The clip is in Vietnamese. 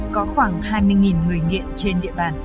có khoảng hai mươi người nghiện trên địa bàn